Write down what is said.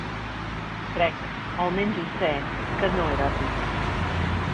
Crec –almenys ho sé- que no era ric.